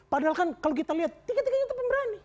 padahal kan kalau kita lihat tiga tiganya itu pemberani